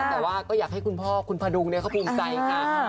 แต่ว่าก็อยากให้คุณพ่อคุณพดุงเขาภูมิใจค่ะ